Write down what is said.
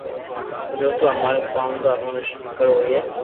جو تو اماري قوم نو امون فڪر ھوئي